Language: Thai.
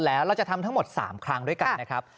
แล้วเราจะทำทั้งหมด๓ครั้งด้วยกันนะครับ